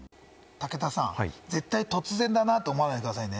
武田さん、絶対に突然だと思わないでくださいね。